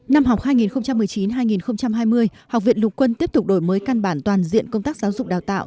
năm học hai nghìn một mươi chín hai nghìn hai mươi học viện lục quân tiếp tục đổi mới căn bản toàn diện công tác giáo dục đào tạo